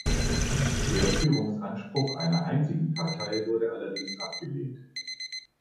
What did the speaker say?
Der Führungsanspruch einer einzigen Partei wurde allerdings abgelehnt.